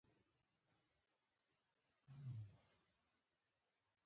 په څادرونو او پټوانو یې هم ډېر پیوندونه لګول شوي وو.